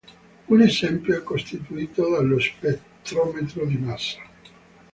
Un esempio è costituito dallo spettrometro di massa.